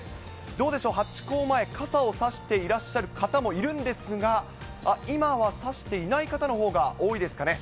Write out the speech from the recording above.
どうでしょう、ハチ公前、傘を差していらっしゃる方もいるんですが、今は差していない方のほうが多いですかね。